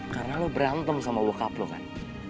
karena lo berantem sama bokap lo kan